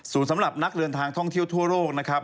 สำหรับนักเดินทางท่องเที่ยวทั่วโลกนะครับ